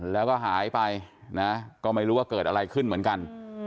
แล้วก็หายไปนะก็ไม่รู้ว่าเกิดอะไรขึ้นเหมือนกัน